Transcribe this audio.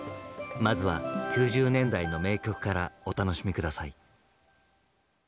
まずは９０年代の名曲からお楽しみ下さい。